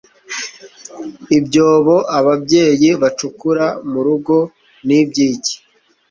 Ibyobo ababyeyi bacukura mu rugo ni ibyiki